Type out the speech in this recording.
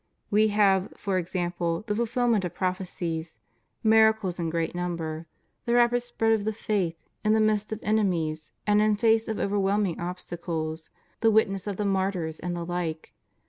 We have, for example, the fulfilment of prophecies; miracles in gi'eat number; the rapid spread of the faith in the midst 112 CHRISTIAN CONSTITUTION OF STATES. of enemies and in face of overwhelming obstacles; the witness of the martyrs, and the Hke.